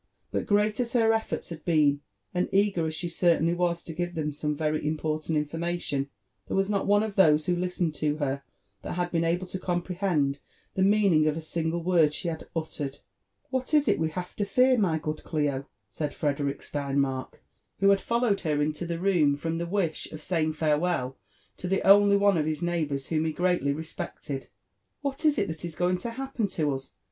But great as her eflbrls had beeui and eager as she certainly was to give them some very important ia^* fbmation, there was not one of those who listened to her that bad been able to comprehend the meaning of a single word she had ut tered. " What is it we have to fear, my good Clio ?' said Frederick SteiB«» mark, who had followed her into the room from the wish of saying farewell te the only one of his neighbours whom he greatly respected. '' What is it that is going to happen to us